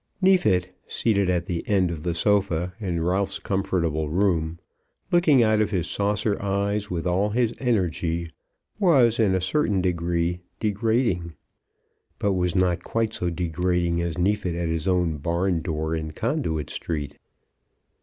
Neefit, seated at the end of the sofa in Ralph's comfortable room, looking out of his saucer eyes with all his energy, was in a certain degree degrading, but was not quite so degrading as Neefit at his own barn door in Conduit Street.